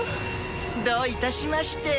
どういたしまして。